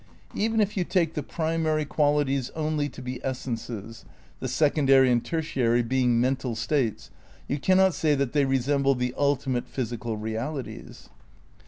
Even if you take the primary qualities only to be essences (the secondary and tertiary being "mental states"), you cannot say that they resemble the ultimate physical realities.